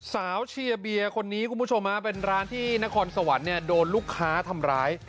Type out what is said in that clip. เชียร์เบียร์คนนี้คุณผู้ชมเป็นร้านที่นครสวรรค์เนี่ยโดนลูกค้าทำร้าย